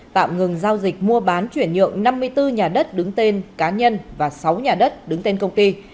tạm ngừng giao dịch mua bán chuyển nhượng năm mươi bốn nhà đất đứng tên cá nhân và sáu nhà đất đứng tên công ty